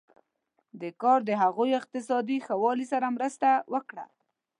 دې کار د هغوی اقتصادي ښه والی سره مرسته وکړه.